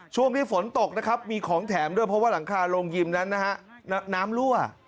ช่วงที่ฝนตกนะครับมีของแถมด้วยเพราะว่าหลังคาโรงยิมนั้นนะฮะน้ำรั่ว